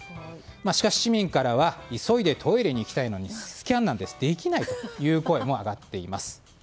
しかし市民からは急いでトイレに行きたいのにスキャンなんてできないという声も上がっています。